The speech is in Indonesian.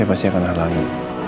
siapa sih yang akan menghalangi